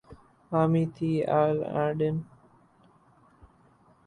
حامی تھے اور آل انڈیا نیشنل کانگریس کے رکن